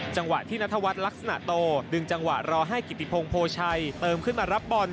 จังหวะที่นัทวัฒน์ลักษณะโตดึงจังหวะรอให้กิติพงโพชัยเติมขึ้นมารับบอล